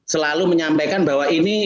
selalu menyampaikan bahwa ini